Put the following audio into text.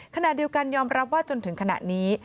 ขณะเดียวกันยอมรับว่าจนถึงขณะนี้